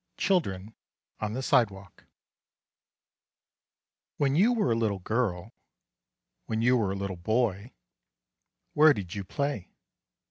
Children on the Sidewalk When you were a little girl, when you were a little boy, where did you play?